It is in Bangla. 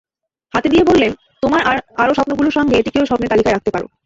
হাতে দিয়ে বললেন, তোমার আরও স্বপ্নগুলোর সঙ্গে এটিকেও স্বপ্নের তালিকায় রাখতে পার।